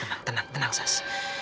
tenang tenang tenang sas